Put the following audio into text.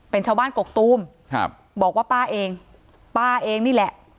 เป็นชาวบ้านกกตูมครับบอกว่าป้าเองป้าเองนี่แหละ